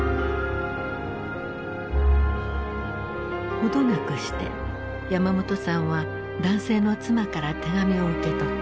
程なくして山本さんは男性の妻から手紙を受け取った。